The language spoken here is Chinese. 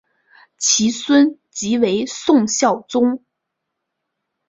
其孙即为宋孝宗。